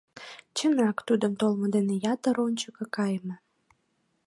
Чынак, тудын толмо дене ятыр ончыко кайыме.